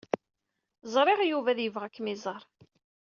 Ẓriɣ Yuba ad yebɣu ad kem-iẓer.